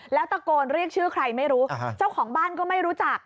แล้วตะโกนเรียกชื่อใครไม่รู้เจ้าของบ้านก็ไม่รู้จัก